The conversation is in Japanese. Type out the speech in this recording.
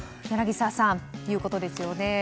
柳澤さん、ということですよね。